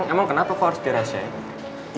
emang kenapa kok harus dirasain